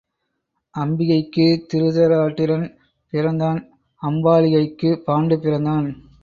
அம்பிகைக்குத் திருதராட்டிரன் பிறந்தான் அம் பாலிகைக்குப் பாண்டு பிறந்தான்.